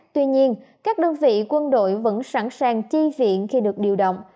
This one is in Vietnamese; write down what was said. tuy nhiên các đơn vị quân đội vẫn sẵn sàng chi viện khi được điều động